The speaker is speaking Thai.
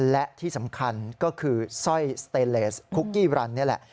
และที่สำคัญก็คือสร้อยสเตเลสคุกกี้รันนี่แหละ